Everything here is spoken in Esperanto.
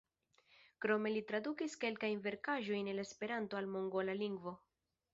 Krome li tradukis kelkajn verkaĵojn el Esperanto al mongola lingvo.